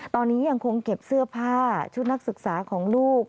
ตอนนี้ยังคงเก็บเสื้อผ้าชุดนักศึกษาของลูก